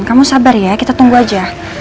kamu sabar ya kita tunggu aja